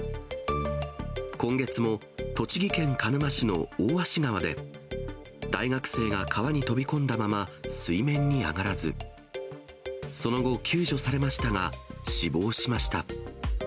今月も栃木県鹿沼市の大芦川で、大学生が川に飛び込んだまま水面に上がらず、その後、救助されましたが死亡しました。